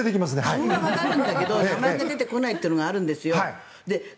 顔が出てくるけど名前が出てこないというのがあるんですよ。